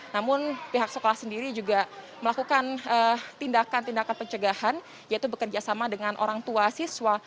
namun pihak sekolah sendiri juga melakukan tindakan tindakan pencegahan yaitu bekerjasama dengan orang tua siswa